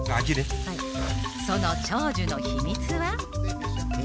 その長寿の秘密は？